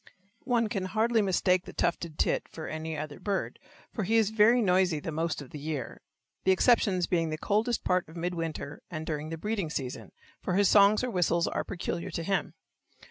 One can hardly mistake the tufted tit for any other bird, for he is very noisy the most of the year, the exceptions being the coldest part of mid winter and during the breeding season, for his songs or whistles are peculiar to him.